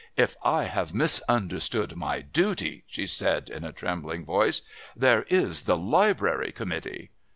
"If I have misunderstood my duty," she said in a trembling voice, "there is the Library Committee."